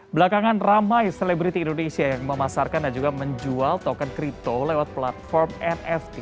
belakangan ramai selebriti indonesia yang memasarkan dan juga menjual token kripto lewat platform nft